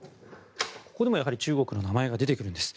ここでも中国の名前が出てくるんです。